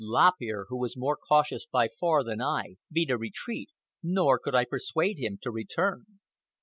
Lop Ear, who was more cautious by far than I, beat a retreat, nor could I persuade him to return.